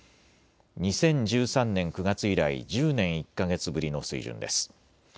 ２０１３年９月以来１０年１か月ぶりの水準です。